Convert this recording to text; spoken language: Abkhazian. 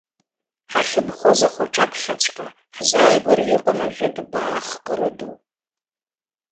Ҳахьынхоз ахәы аҿаԥхьаҵәҟьа ҳзааигәара иҟан ажәытә баа-хкыра ду.